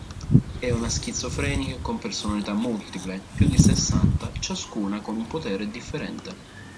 È una schizofrenica con personalità multiple: più di sessanta, ciascuna con un potere differente.